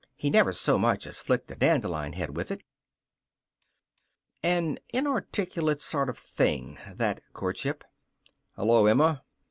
He never so much as flicked a dandelion head with it. An inarticulate sort of thing, that courtship. "Hello, Emma."